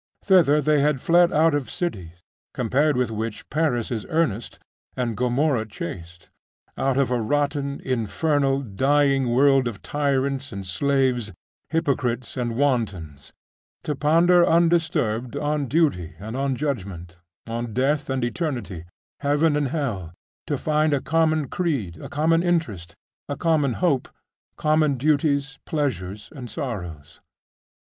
Thither they had fled out of cities, compared with which Paris is earnest and Gomorrha chaste, out of a rotten, infernal, dying world of tyrants and slaves, hypocrites and wantons, to ponder undisturbed on duty and on judgment, on death and eternity, heaven and hell; to find a common creed, a common interest, a common hope, common duties, pleasures, and sorrows....